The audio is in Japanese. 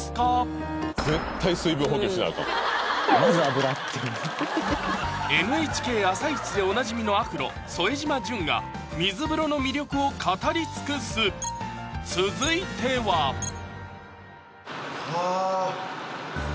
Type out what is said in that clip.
皆さんＮＨＫ「あさイチ」でおなじみのアフロ・副島淳が水風呂の魅力を語り尽くす続いてははぁ！